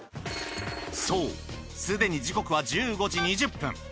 そうすでに時刻は１５時２０分。